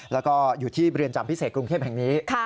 แล้วก็อยู่ที่เรือนจำพิเศษกรุงเทพแห่งนี้